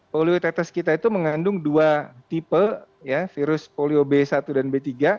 poliotetes kita itu mengandung dua tipe virus polio b satu dan b tiga